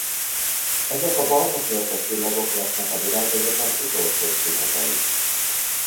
Ezek a barna törpe csillagok lesznek a világegyetem utolsó csillagai.